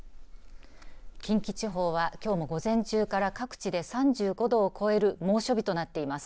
近畿地方は、きょうも午前中から各地で３５度を超える猛暑日となっています。